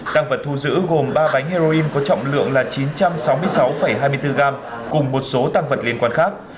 tăng vật thu giữ gồm ba bánh heroin có trọng lượng là chín trăm sáu mươi sáu hai mươi bốn gram cùng một số tăng vật liên quan khác